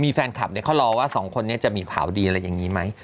มีแฟนคลับเนี่ยเขารอว่า๒คนนี้จะมีข่าวดีอย่างงี้ไหม